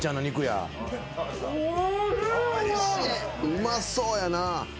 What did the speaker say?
うまそうやな。